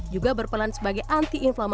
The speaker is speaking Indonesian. juga berpelan sebagai anti infeksi